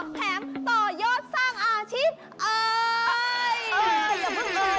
แถมต่อยกสร้างอาชีพ